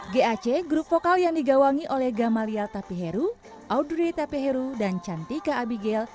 gac grup vokal yang digawangi oleh gamalia tapeheru audrey tapeheru dan cantika abigail